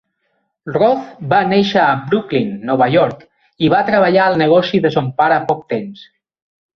Roth va néixer a Brooklyn, Nova York, i va treballar al negoci de son pare poc temps.